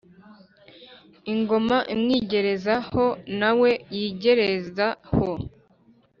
ingoma imwigereza ho na we yigereza ho,